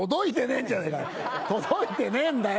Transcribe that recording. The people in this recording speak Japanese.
届いてねぇんだよ！